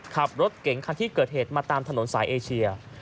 ขับรถเก่งคันที่เกิดเหตุมาตามถนนสายเอเชีย